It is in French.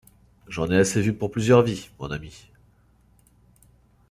J’en ai assez vu pour plusieurs vies, mon ami.